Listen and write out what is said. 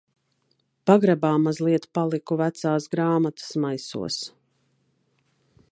Pagrabā mazliet paliku vecās grāmatas maisos.